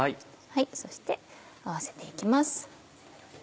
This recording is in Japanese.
そして合わせて行きます。